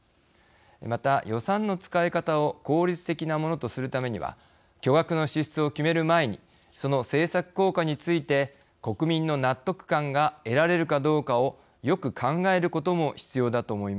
また予算の使い方を効率的なものとするためには巨額の支出を決める前にその政策効果について国民の納得感が得られるかどうかをよく考えることも必要だと思います。